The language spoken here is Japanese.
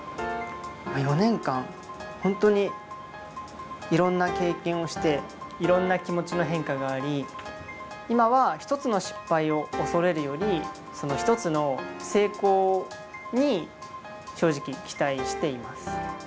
４年間、本当にいろんな経験をして、いろんな気持ちの変化があり、今は一つの失敗を恐れるより、一つの成功に正直、期待しています。